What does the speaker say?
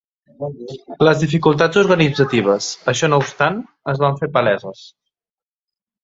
Les dificultats organitzatives, això no obstant, es van fer paleses.